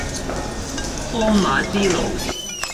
鞍馬之勞